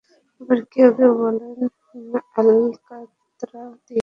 আবার কেউ কেউ বলেন, আলকাতরা দিয়ে।